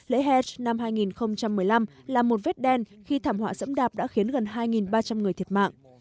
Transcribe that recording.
lễ hech năm hai nghìn một mươi năm là một vết đen khi thảm họa sẫm đạp đã khiến gần hai ba trăm linh người thiệt mạng